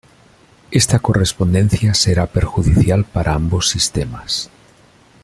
Esta correspondencia será perjudicial para ambos sistemas.